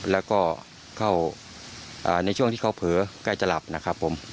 แล้วก็เข้าในช่วงที่เขาเผลอใกล้จะหลับนะครับผม